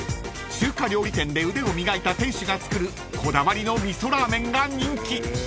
［中華料理店で腕を磨いた店主が作るこだわりの味噌ラーメンが人気］